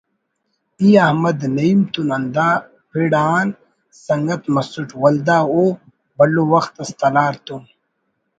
ای احمد نعیم تون ہندا پڑآن سنگت مسٹ ولدا او بھلو وخت اس ”تلار“ تون